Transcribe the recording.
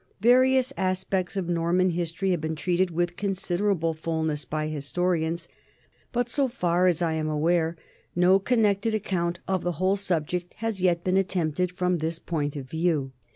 Various aspects of Norman history have been treated with considerable fullness by historians, but, so far as I am aware, no connected account of the whole subject has yet been attempted from this point of view.